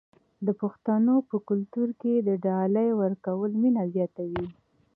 د پښتنو په کلتور کې د ډالۍ ورکول مینه زیاتوي.